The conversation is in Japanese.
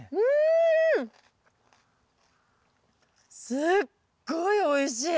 すっごいおいしい。